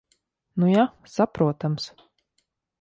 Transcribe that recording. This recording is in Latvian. Nu ja. Saprotams.